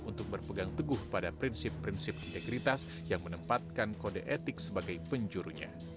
untuk berpegang teguh pada prinsip prinsip integritas yang menempatkan kode etik sebagai penjurunya